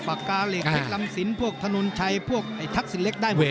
ปากกาเหล็กเพชรลำสินพวกถนนชัยพวกไอ้ทักษิณเล็กได้มวย